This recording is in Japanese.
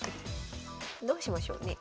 どうしましょうね。